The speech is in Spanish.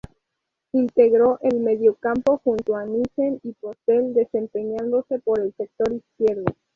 Integró el mediocampo junto a Nissen y Postel, desempeñándose por el sector izquierdo.